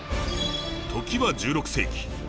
時は１６世紀。